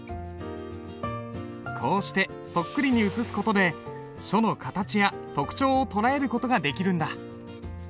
こうしてそっくりに写す事で書の形や特徴を捉える事ができるんだ。